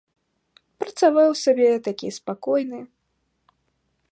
Працаваў сабе такі спакойны.